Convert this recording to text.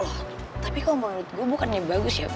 loh tapi kalo menurut gue bukannya bagus ya